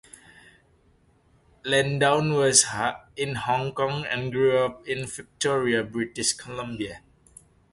Lansdowne was born in Hong Kong and grew up in Victoria, British Columbia.